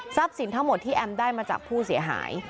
สินทั้งหมดที่แอมได้มาจากผู้เสียหาย